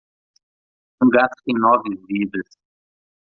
Um gato tem nove vidas.